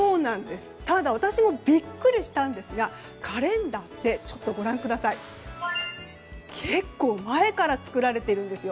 ただ、私もビックリしたんですがカレンダーって結構前から作られているんですよ。